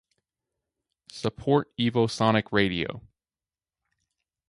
Support Evosonic Radio.